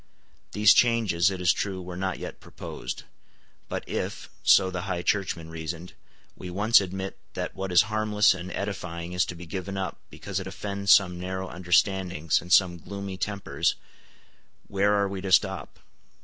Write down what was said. These changes, it is true, were not yet proposed. Put if, so the High Churchmen reasoned, we once admit that what is harmless and edifying is to be given up because it offends some narrow understandings and some gloomy tempers, where are we to stop?